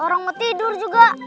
orang itu tidur juga